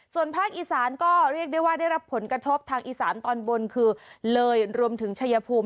ส่วนภาคอีสานก็เรียกได้ว่าได้รับผลกระทบทางอีสานตอนบนคือเลยรวมถึงชายภูมิ